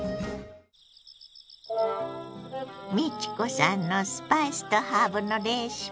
美智子さんのスパイスとハーブのレシピ。